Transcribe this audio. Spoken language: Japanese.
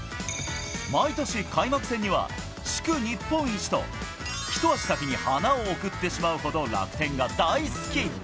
毎年、開幕戦には、祝・日本一と、一足先に花を贈ってしまうほど、楽天が大好き。